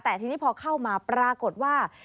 แต่ทีนี้พอเข้ามาปรากฏว่า